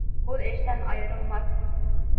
Һүҙ эштән айырылмаҫ